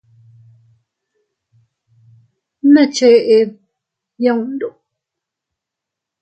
¿Ne ched yundu?